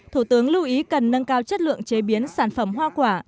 thủ tướng lưu ý cần nâng cao chất lượng chế biến sản phẩm hoa quả